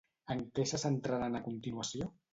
En què se centraran a continuació?